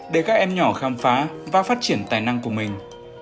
để các em nhỏ khám phá và phát triển tài năng của mình